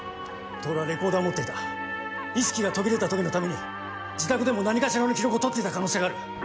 透はレコーダーを持っていた意識が途切れた時のために自宅でも何かしらの記録を取っていた可能性がある。